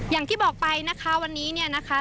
อย่างที่บอกไปนะคะวันนี้เนี่ยนะคะ